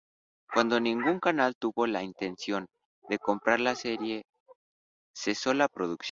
Cuando ningún canal tuvo la intención de comprar la serie, cesó la producción.